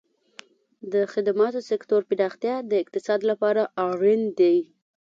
د خدماتو سکتور پراختیا د اقتصاد لپاره اړین دی.